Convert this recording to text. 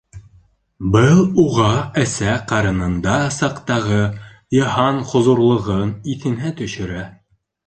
Был уға әсә ҡарынында саҡтағы «йыһан хозурлығы»н иҫенә төшөрә.